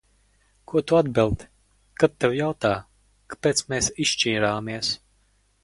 Ko tu atbildi, kad tev jautā, kāpēc mēs izšķīrāmies?